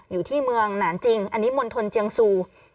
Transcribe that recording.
อยู่ที่เมืองหนานจริงอันนี้มณฑลเจียงซู